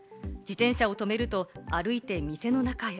自転車を止めると歩いて店の中へ。